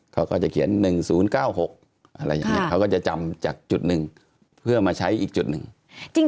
เขาก็จะเขียน๑๐๙๖อะไรอย่างนี้เขาก็จะจำจากจุดหนึ่งเพื่อมาใช้อีกจุดหนึ่ง